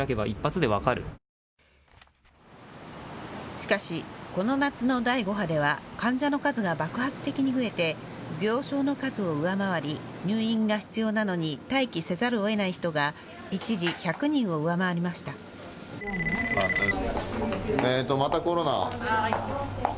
しかし、この夏の第５波では患者の数が爆発的に増えて病床の数を上回り、入院が必要なのに待機せざるをえない人が一時１００人を上回りました。